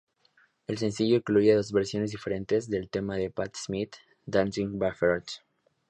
El sencillo incluye dos versiones diferentes del tema de Patti Smith "Dancing Barefoot".